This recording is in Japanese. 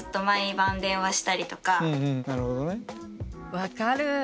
分かる。